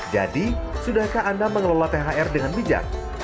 jadi sudahkah anda mengelola thr dengan bijak